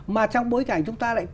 mà trong bối cảnh chúng ta lại